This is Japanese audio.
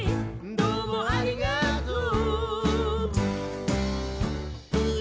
「どうもありがとう」